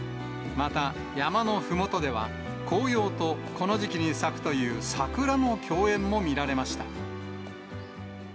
また山のふもとでは紅葉とこの時期に咲くという桜の共演も見られました。